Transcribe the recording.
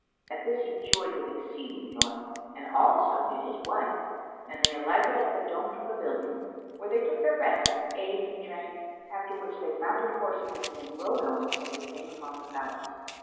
At this he joyed with exceeding joy and as also did his wife, and they alighted at the domed pavilion, where they took their rest[FN#180] and ate and drank; after which they mounted horse again and rode on till they came upon the palace.